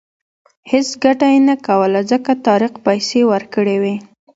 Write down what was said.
هېڅ ګټه یې نه کوله ځکه طارق پیسې ورکړې وې.